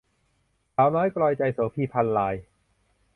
สาวน้อยกลอยใจ - โสภี พรรณราย